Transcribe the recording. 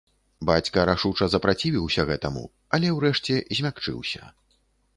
Бацька рашуча запрацівіўся гэтаму, але, урэшце, змякчыўся.